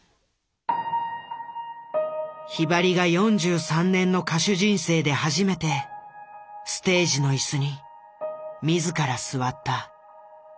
ひばりが４３年の歌手人生で初めてステージの椅子に自ら座った。